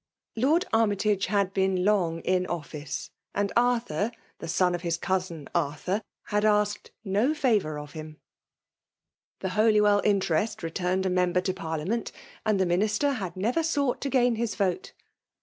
Ixurd Armytage had bq^n long in office, and Arthur^ the son of his cousin Arthur, had asked no favour of him:^ tb^ Holywell interest returned a member to^ parliament, and the minister had never sought to gnin his vote.